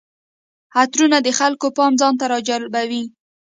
عطرونه د خلکو پام ځان ته راجلبوي.